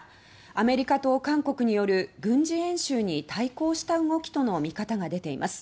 アメリカと韓国による軍事演習に対抗した動きとの見方が出ています。